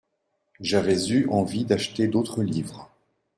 J'avais eu envie d'acheter d'autres livres.